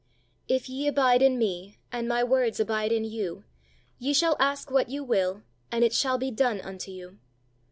If ye abide in Me, and My words abide in you, ye shall ask what you will, and it shall be done unto you.